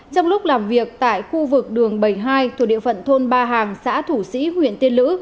trong lúc làm việc tại khu vực đường bảy mươi hai thuộc địa phận thôn ba hàng xã thủ sĩ huyện tiên lữ